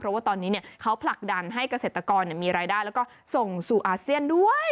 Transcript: เพราะว่าตอนนี้เขาผลักดันให้เกษตรกรมีรายได้แล้วก็ส่งสู่อาเซียนด้วย